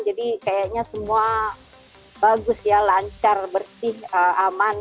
jadi kayaknya semua bagus ya lancar bersih aman